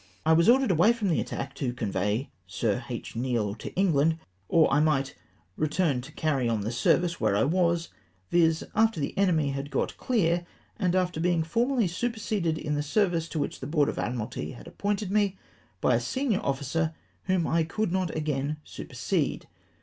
I was or dered away from the attack, to " convey Sir H. Neale to England," or I " might retmii to carry on the service where I was," viz. after the enemy had got clear off, and after being formally superseded in the service to which the Board of Admiralty had appointed me, by a senior officer idiom I could not again supersede